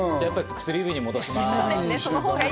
やっぱり薬指に戻します。